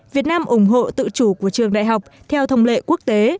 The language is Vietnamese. việt nam ủng hộ tự chủ của trường đại học theo thông lệ quốc tế